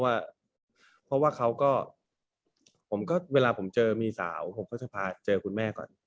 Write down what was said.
ก็พาเจอคุณแม่เพราะว่าเวลาผมเจอมีสาวผมก็จะพาเจอคุณแม่ก่อน